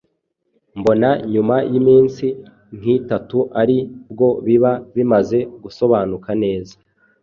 Mbona nyuma y’iminsi nk’itatu ari bwo biba bimaze gusobanuka neza.